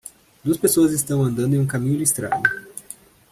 Duas pessoas estão andando em um caminho listrado.